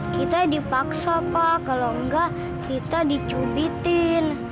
kita dipaksa pak kalau enggak kita dicubitin